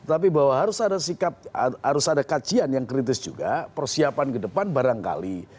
tapi bahwa harus ada sikap harus ada kajian yang kritis juga persiapan ke depan barangkali